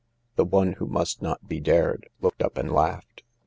The one who must not be dared looked up and laughed.